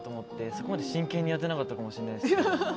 そこまで真剣にやってなかったかもしれないです。